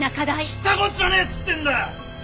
知ったこっちゃねえっつってんだよ！